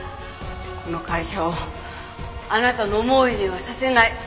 この会社をあなたの思うようにはさせない。